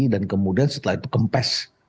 dan kemudian setelah itu kempes